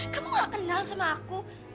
kamu gak kenal sama aku